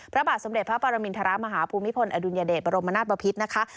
พระบาทสมเด็จพระปรมินทรมาฮภูมิพลอดุลยเดชบรมนาศบพิษนะคะ